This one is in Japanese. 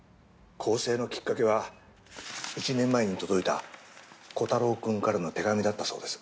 更生のきっかけは１年前に届いたコタローくんからの手紙だったそうです。